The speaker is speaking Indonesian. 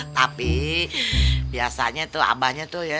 tapi biasanya tuh abahnya tuh ya